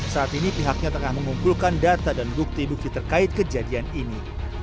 saat ini pihaknya tengah mengumpulkan data dan bukti bukti terkait kejadian ini